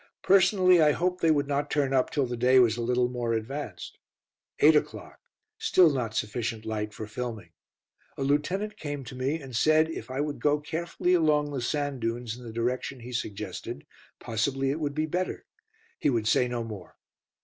Personally, I hoped they would not turn up till the day was a little more advanced. Eight o'clock; still not sufficient light for filming. A lieutenant came to me, and said if I would go carefully along the sand dunes in the direction he suggested, possibly it would be better; he would say no more.